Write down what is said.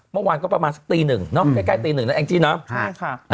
เมื่อวานก็ประมาณสักตีหนึ่งเนาะใกล้ตีหนึ่งนะแองจี้เนาะ